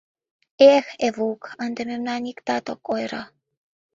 Эх, Эвук, ынде мемнам иктат ок ойыро».